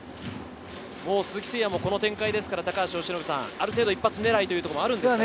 鈴木誠也もこの展開ですから、ある程度一発狙いっていうところもあるんでしょうね。